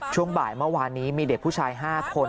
ช่วงบ่ายเมื่อวานนี้มีเด็กผู้ชาย๕คน